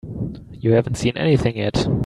You haven't seen anything yet.